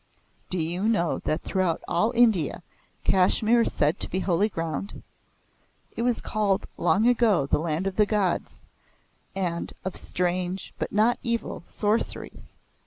Do you know that throughout all India Kashmir is said to be holy ground? It was called long ago the land of the gods, and of strange, but not evil, sorceries.